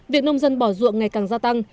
việc nông dân bỏ ruộng ngày càng gia tăng